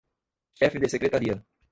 chefe de secretaria